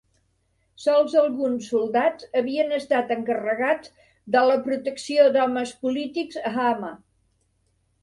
Sols alguns soldats havien estat encarregats de la protecció d'homes polítics a Hama.